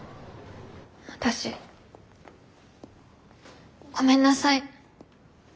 私ごめんなさい。